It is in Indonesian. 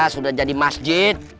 sudah jadi masjid